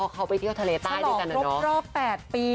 เค้าเที่ยวทะเลด้านด้วยกันน่ะเนาะชะลอกรอบ๘ปี